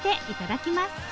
いただきます！